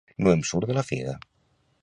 No em surt de la figa